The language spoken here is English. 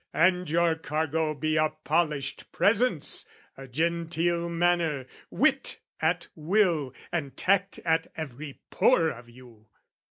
And your cargo be "A polished presence, a genteel manner, wit "At will, and tact at every pore of you!